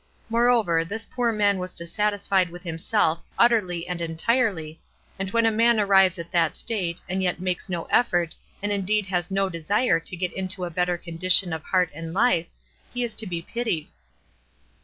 Moreover, this poor man was dissat isfied with himself, utterly and entirely, and 368 WISE AND OTHERWISE. when a man arrives at that state, and yet makes no effort, and indeed has no desire to get into a better condition of heart and life, he is to be pitied.